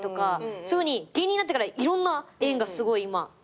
そういうふうに芸人になってからいろんな縁がすごい今広がって。